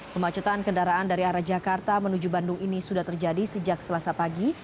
kemacetan kendaraan dari arah jakarta menuju bandung ini sudah terjadi sejak selasa pagi